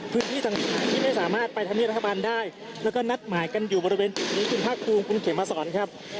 พื้นที่สังสารที่ไม่สามารถไปทำให้รัฐบาลได้แล้วก็นัดหมายกันอยู่บริเวณคุณภาคกรุงคุณเขมภาษรครับ